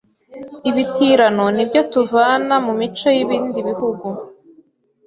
Ibitirano ni ibyo tuvana mu mico y’ibindi bihugu